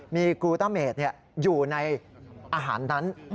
มีกูต้าเมดอยู่ในอาหารนั้น